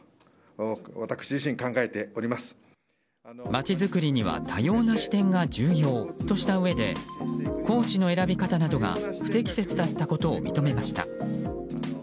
まちづくりには多様な視点が重要としたうえで講師の選び方などが不適切だったことを認めました。